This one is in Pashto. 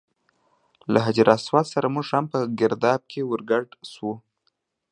له حجر اسود سره موږ هم په ګرداب کې ور ګډ شو.